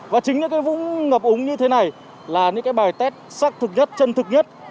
và chính những vũng ngập úng như thế này là những bài test sắc thực nhất chân thực nhất